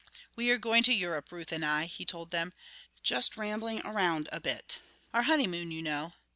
"We are going to Europe, Ruth and I," he told them. "Just rambling around a bit. Our honeymoon, you know.